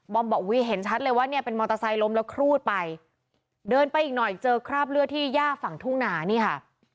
บอกอุ้ยเห็นชัดเลยว่าเนี่ยเป็นมอเตอร์ไซค์ล้มแล้วครูดไปเดินไปอีกหน่อยเจอคราบเลือดที่ย่าฝั่งทุ่งหนานี่ค่ะ